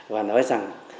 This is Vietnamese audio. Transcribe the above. và nói rằng